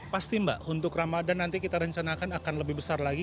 pasti mbak untuk ramadan nanti kita rencanakan akan lebih besar lagi